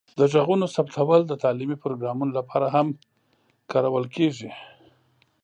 د غږونو ثبتول د تعلیمي پروګرامونو لپاره هم کارول کیږي.